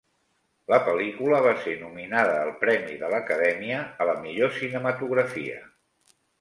La pel·lícula va ser nominada al Premi de l'Acadèmia a la millor cinematografia.